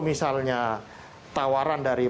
misalnya tawaran dari